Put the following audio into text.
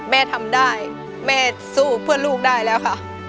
แม่ทำได้แม่สู้เพื่อลูกได้แล้วค่ะ